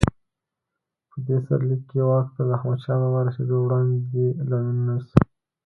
په دې سرلیک کې واک ته د احمدشاه بابا د رسېدو وړاندې لاملونه نیسو.